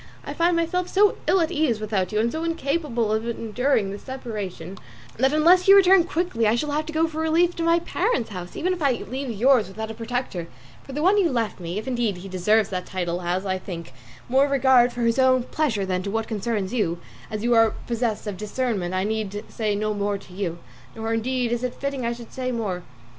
I find myself so ill at ease without you, and so incapable of enduring this separation, that unless you return quickly I shall have to go for relief to my parents' house, even if I leave yours without a protector; for the one you left me, if indeed he deserved that title, has, I think, more regard to his own pleasure than to what concerns you: as you are possessed of discernment I need say no more to you, nor indeed is it fitting I should say more."